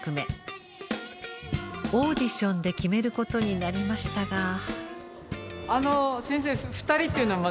オーディションで決めることになりましたが。